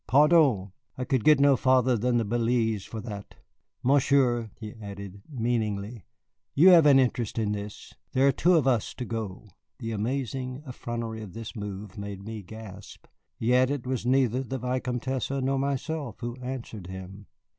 Pardieu, I could get no farther than the Balize for that. Monsieur," he added meaningly, "you have an interest in this. There are two of us to go." The amazing effrontery of this move made me gasp. Yet it was neither the Vicomtesse nor myself who answered him.